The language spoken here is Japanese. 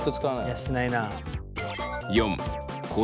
いやしないな。